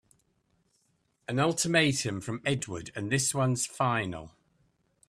An ultimatum from Edward and this one's final!